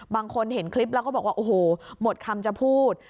บางคนเห็นคลิปแล้วก็บอกว่าโอ้โหหมดคำจะพูด